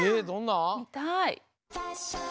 どんなん？